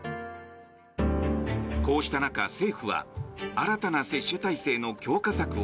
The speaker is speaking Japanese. こうした中、政府は新たな接種体制の強化策を